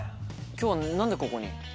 今日何でここに？